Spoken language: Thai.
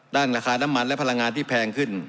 ราคาน้ำมันและพลังงานที่แพงขึ้น